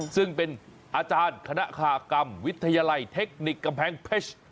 ซึ่งเป็นอาจารย์คณะคากรรมวิทยาลัยเทคนิคกำแพงเพชร